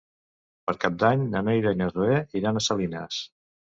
Per Cap d'Any na Neida i na Zoè iran a Salines.